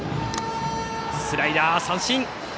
スライダー、三振！